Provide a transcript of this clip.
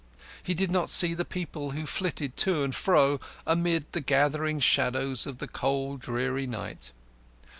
He did not see the people who flitted to and fro amid the gathering shadows of the cold, dreary night.